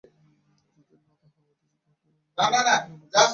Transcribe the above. যতদিন না তাহা হইতেছে, ততদিন আমার সহিত সাধারণ অজ্ঞ ব্যক্তির কোন প্রভেদ নাই।